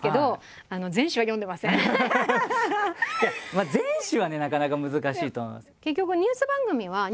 まあ全紙はねなかなか難しいと思います。